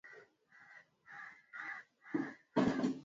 kulainisha matiti unapokamua